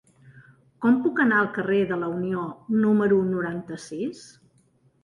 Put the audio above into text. Com puc anar al carrer de la Unió número noranta-sis?